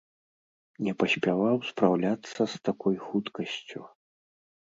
Не паспяваў спраўляцца з такой хуткасцю.